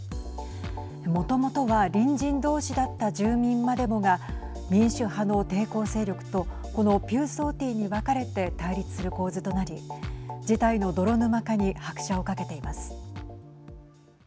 もともとは隣人どうしだった住民までもが民主派の抵抗勢力とこのピューソーティーに分かれて対立する構図となり事態の泥沼化に拍車をかけています。